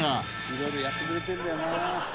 「いろいろやってくれてるんだよな」